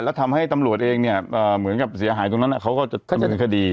แล้วทำให้ตำรวจเองเนี่ยเหมือนกับเสียหายตรงนั้นเขาก็จะดำเนินคดี